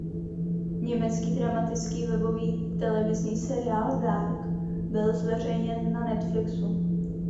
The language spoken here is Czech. Německý dramatický webový televizní seriál "Dark" byl zveřejněn na Netflixu.